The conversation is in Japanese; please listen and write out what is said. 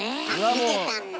見てたんだ。